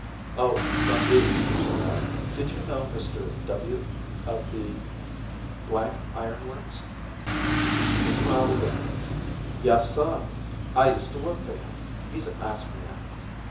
"Oh, from B ," said I. "Did you know Mr. W , of the Iron Works?" He smiled again. "Yes, sah; I used to work for him. He's a nice man."